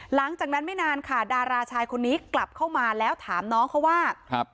หลังจากนั้นไม่นานค่ะดาราชายคนนี้กลับเข้ามาแล้วถามน้องเขาว่าครับ